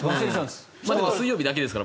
水曜日だけですから。